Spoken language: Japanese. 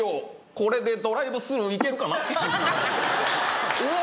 これでドライブスルーいけるかな⁉うわ！